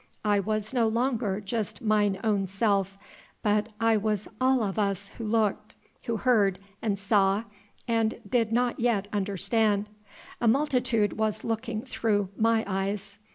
I was no longer just mine own self, but I was all of us who looked, who heard and saw and did not yet understand.... A multitude was looking through my eyes